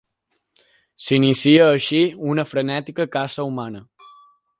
S'inicia així una frenètica caça humana.